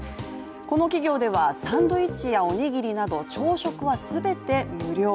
この企業では、サンドイッチやおにぎりなど朝食は全て無料。